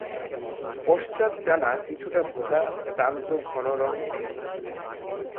পশ্চাৎ ডানা কিছুটা ভোঁতা, প্রান্ত ঘন রং এর।